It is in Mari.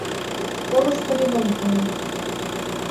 Школышто ремонт кая.